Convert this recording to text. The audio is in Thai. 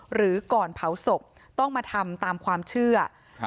หรือก่อนเผาศพต้องมาทำตามความเชื่อ